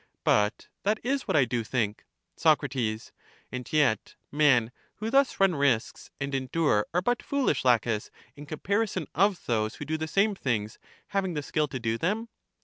But that is what I do think. Soc. And j^et men who thus run risks and endure are but foolish. Laches, in comparison of those who do the same things, having the skill to do them.